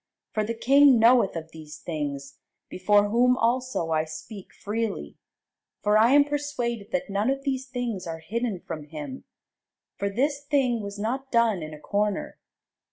For the king knoweth of these things, before whom also I speak freely: for I am persuaded that none of these things are hidden from him; for this thing was not done in a corner.